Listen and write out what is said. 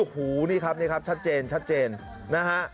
หูนี่ครับชัดเจนนะฮะ